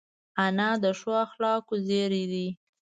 انا د ښو اخلاقو زېری ده